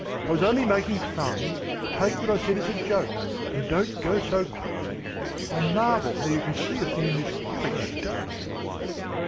I was only making fun. Take what I said as a joke, and don't go so quickly. I marvel how you can see a thing in this hellish darkness."